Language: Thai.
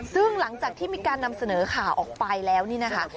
ซึ่งหลังจากที่มีการนำเสนอข่าวออกไปแล้วนี่นะคะ